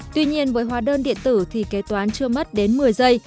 tuy nhiên với hóa đơn điện tử thì kế toán chưa mất đến một mươi giây